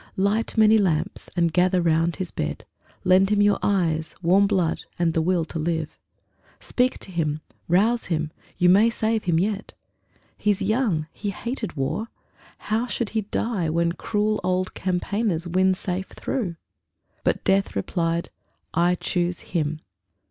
Light many lamps and gather round his bed. Lend him your eyes, warm blood, and will to live. Speak to him; rouse him; you may save him yet. He's young; he hated war; how should he die When cruel old campaigners win safe through? But Death replied: "I choose him."